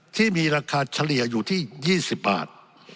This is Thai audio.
ที่มีราคาเฉลี่ยอยู่ที่๒๐บาท